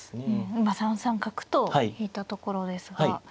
今３三角と引いたところですが。